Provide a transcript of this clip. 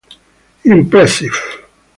Impressive.